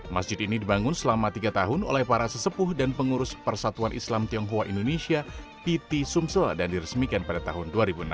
masjid ini dibangun selama tiga tahun oleh para sesepuh dan pengurus persatuan islam tionghoa indonesia piti sumsel dan diresmikan pada tahun dua ribu enam